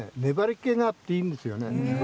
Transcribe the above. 粘りけがあっていいんですよ。